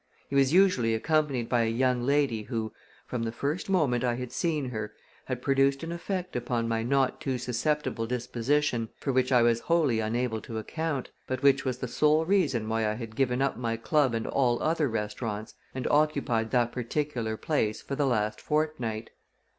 He was usually accompanied by a young lady who, from the first moment I had seen her, had produced an effect upon my not too susceptible disposition for which I was wholly unable to account, but which was the sole reason why I had given up my club and all other restaurants and occupied that particular place for the last fortnight.